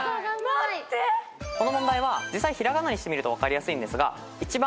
この問題は実際に平仮名にしてみると分かりやすいんですが一番上の段。